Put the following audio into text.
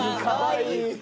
かわいい！